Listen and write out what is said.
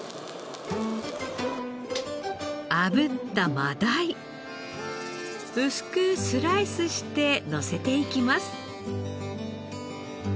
あぶった真鯛。薄くスライスしてのせていきます。